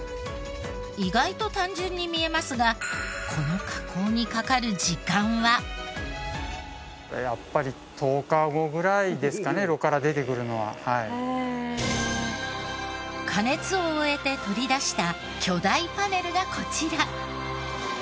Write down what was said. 意外と単純に見えますがこのやっぱり加熱を終えて取り出した巨大パネルがこちら。